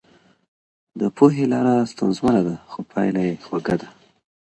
د پوهي لاره ستونزمنه ده خو پايله يې خوږه ده.